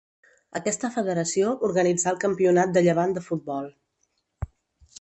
Aquesta federació organitzà el Campionat de Llevant de futbol.